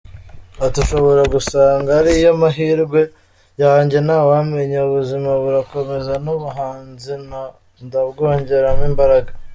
Ati “Ushobora gusanga ari yo mahirwe yanjye ntawamenya! Ubuzima burakomeza n’ubuhanzi ndabwongeramo imbaraga.